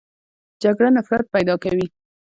جګړه نفرت پیدا کوي